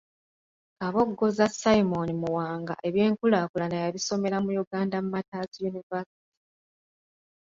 Kabogoza Simon Muwanga eby'enkulaakulana yabisomera mu Uganda Martyrs University.